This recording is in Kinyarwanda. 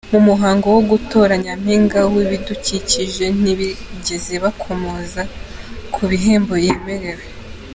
Mu muhango wo gutora Nyampinga w’ibidukikije, ntibigeze bakomoza ku bihembo yemerewe.